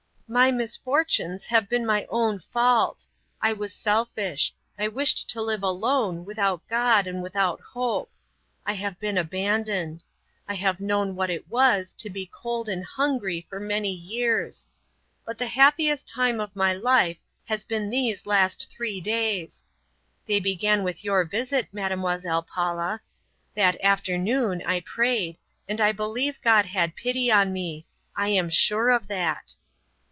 "My misfortunes have been my own fault. I was selfish, I wished to live alone without God and without hope. I have been abandoned. I have known what it was to be cold and hungry for many years; but the happiest time of my life has been these last three days. They began with your visit, Mademoiselle Paula. That afternoon I prayed, and I believe God had pity on me. I am sure of that."